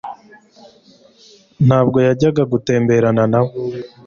Ntabwo yajyaga gutemberana nawe